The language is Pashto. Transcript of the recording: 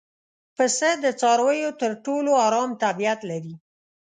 پسه د څارویو تر ټولو ارام طبیعت لري.